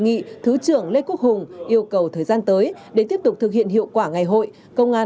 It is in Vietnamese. nghị thứ trưởng lê quốc hùng yêu cầu thời gian tới để tiếp tục thực hiện hiệu quả ngày hội công an